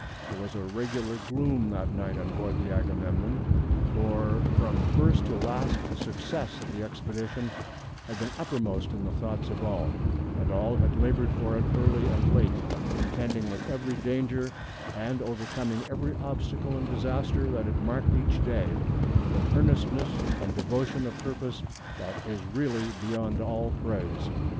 There was a regular gloom that night on board the Agamemnon, for from first to last the success of the expedition had been uppermost in the thoughts of all, and all had labored for it early and late, contending with every danger and overcoming every obstacle and disaster that had marked each day, with an earnestness and devotion of purpose that is really beyond all praise.